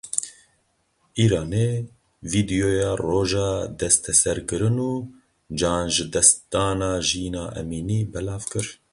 Îranê vîdyoya roja desteserkirin û canjidestdana Jîna Emînî belav kir.